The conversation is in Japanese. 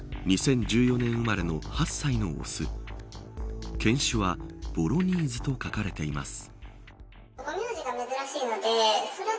２０１４年生まれの８歳の雄犬種はボロニーズと書かれています。